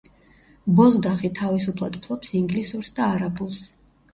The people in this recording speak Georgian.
ბოზდაღი თავისუფლად ფლობს ინგლისურს და არაბულს.